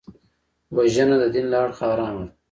وژنه د دین له اړخه حرامه ده